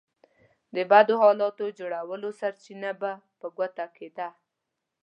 د بدو حالاتو جوړولو سرچينه به په ګوته کېده.